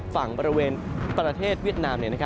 ฝั่งบริเวณประเทศเวียดนาม